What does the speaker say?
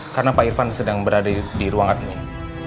karena pak irfan sedang berada di ruang admin